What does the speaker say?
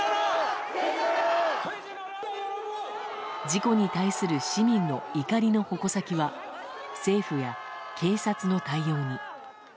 事故に対する市民の怒りの矛先は政府や、警察の対応に。